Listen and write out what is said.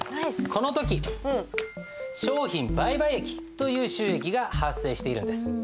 この時商品売買益という収益が発生しているんです。